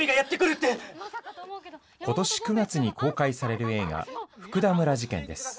ことし９月に公開される映画、福田村事件です。